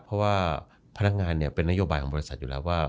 เพราะว่าพนักงานเป็นนโยบายของบริษัทอยู่แล้วว่า